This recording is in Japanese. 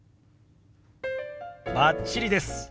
バッチリです。